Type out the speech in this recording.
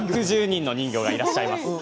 １１０人の人魚がいらっしゃいます。